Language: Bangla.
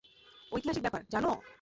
ঐতিহাসিক ব্যাপার, জানো?